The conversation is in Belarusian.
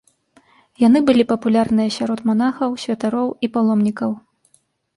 Яны былі папулярныя сярод манахаў, святароў і паломнікаў.